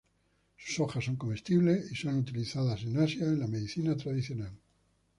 Sus hojas son comestibles y son utilizadas en Asia en la medicina tradicional.